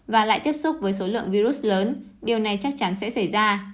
và lại tiếp xúc với số lượng virus lớn điều này chắc chắn sẽ xảy ra